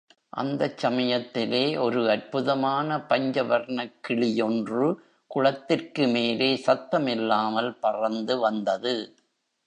அந்தச் சமயத்திலே ஒரு அற்புதமான பஞ்சவர்ணக்கிளி யொன்று குளத்திற்கு மேலே சத்தமில்லாமல் பறந்து வந்தது.